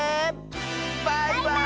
バイバーイ！